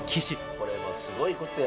これはすごいことや。